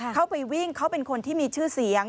เข้าไปวิ่งเขาเป็นคนที่มีชื่อเสียง